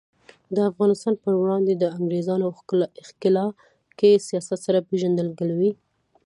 د افغانستان په وړاندې د انګریزانو ښکیلاکي سیاست سره پیژندګلوي.